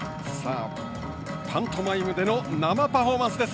パントマイムでの生パフォーマンスです。